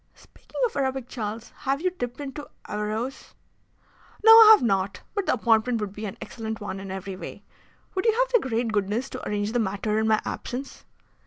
"Speaking of Arabic, Charles, have you dipped into Averroes?" "No, I have not. But the appointment would be an excellent one in every way. Would you have the great goodness to arrange the matter in my absence?"